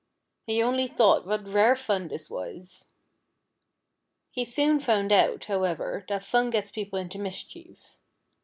He only thought what rare fun this was. He soon found out, however, that fun gets people into mischief.